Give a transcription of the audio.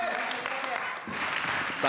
さあ